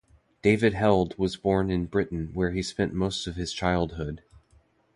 David Held was born in Britain where he spent most of his childhood.